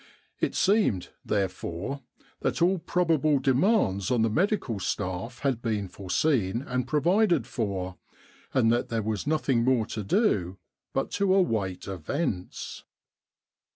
It seemed, therefore, that all probable de mands on the Medical Staff had been foreseen and provided for, and that there was nothing more to do but to await events.